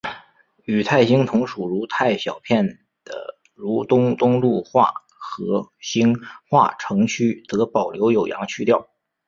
与泰兴同属如泰小片的如东东路话和兴化城区则保留有阳去调。